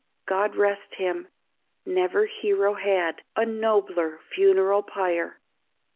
God rest him! Never hero had A nobler funeral pyre!